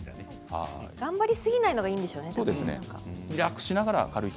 頑張りすぎないのがいいんですね。